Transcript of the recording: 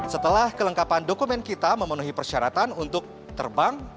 setelah kelengkapan dokumen kita memenuhi persyaratan untuk terbang